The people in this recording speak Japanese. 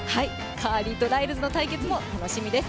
カーリーとライルズの対決も楽しみです。